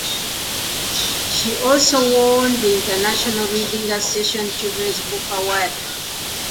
She also won the International Reading Association Children's Book Award.